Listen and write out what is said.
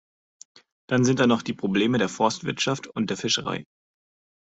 Dann sind da noch die Probleme der Forstwirtschaft und der Fischerei.